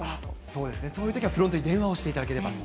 そうですね、そういうときはフロントに電話をしていただければと。